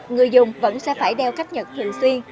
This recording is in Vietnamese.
người dùng vẫn sẽ phải đeo cách nhật thường xuyên